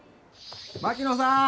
槙野さん